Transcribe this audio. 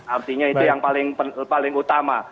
artinya itu yang paling utama